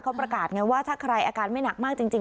เขาประกาศไงว่าถ้าใครอาการไม่หนักมากจริง